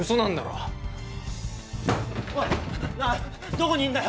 どこにいんだよ！？